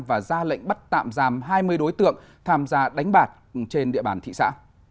và ra lệnh bắt tạm giam hai mươi đối tượng tham gia đánh bạc trên địa bàn thị xã